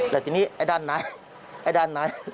แล้วทีนี้ไอ้ด้านในไอ้ด้านใน